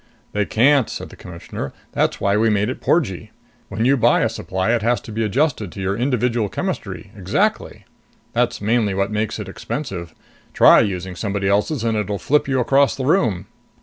"They can't," said the Commissioner. "That's why we made it porgee. When you buy a supply, it has to be adjusted to your individual chemistry, exactly. That's mainly what makes it expensive. Try using someone else's, and it'll flip you across the room."